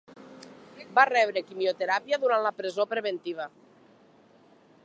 Va rebre quimioteràpia durant la presó preventiva.